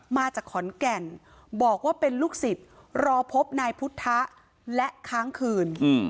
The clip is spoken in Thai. มาจากขอนแก่นบอกว่าเป็นลูกศิษย์รอพบนายพุทธะและค้างคืน